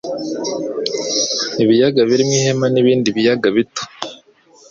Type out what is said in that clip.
Ibiyaga birimo Ihema n'ibindi biyaga bito